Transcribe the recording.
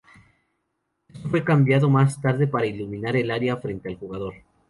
Esto fue cambiado más tarde para iluminar el área frente al jugador.